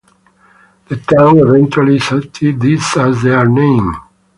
The town eventually accepted this as their name.